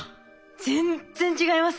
全然違いますね。